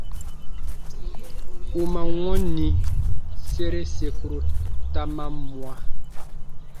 U man wɔnni, sere sekuru ta man mwa.